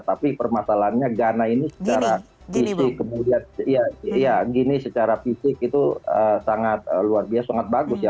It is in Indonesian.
tapi permasalahannya ghana ini secara fisik itu sangat luar biasa sangat bagus